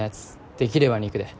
できれば肉で。